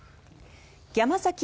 山崎